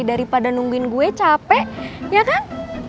daripada nungguin gue capek ya kang